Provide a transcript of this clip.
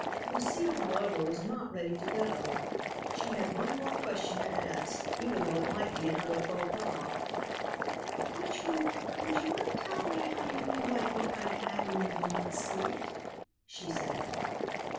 Lucile, however, was not ready to go. She had one more question to ask, even though it might be another faux pas. "Would you would you mind telling me how you knew what book I had when you did not see it?" she said.